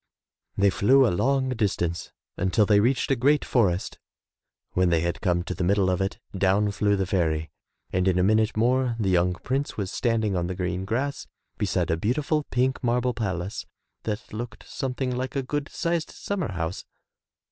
They flew a long distance until they reached a great forest. When they had come to the middle of it, down flew the fairy, and in a minute more the young prince was standing on the green grass beside a beautiful pink marble palace that looked something like a good sized summer house.